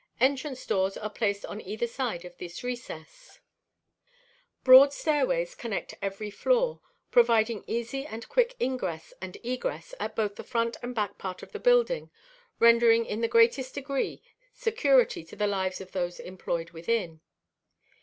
Entrance doors are placed on either side of this recess. [Illustration: THE FRONT ENTRANCE.] Broad stairways connect every floor, providing easy and quick ingress and egress at both the front and the back part of the building, rendering in the greatest degree security to the lives of those employed within.